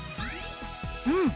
うん！